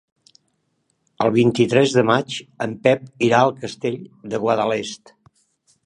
El vint-i-tres de maig en Pep irà al Castell de Guadalest.